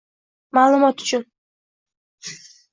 Ma'lumot uchun